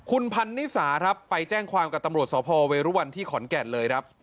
คุณพันนิสาครับไปแจ้งความกับตำรวจสพเวรุวันที่ขอนแก่นเลยครับ